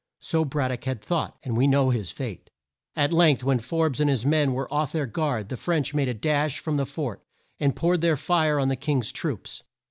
So Brad dock had thought, and we know his fate. At length when Forbes and his men were off their guard the French made a dash from the fort, and poured their fire on the King's troops.